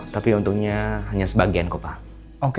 tapi untungnya hanya sebagian kok pak